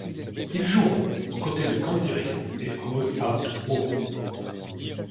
Ils joueront aux côtés de Candiria et All Out War.